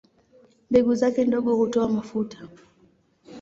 Mbegu zake ndogo hutoa mafuta.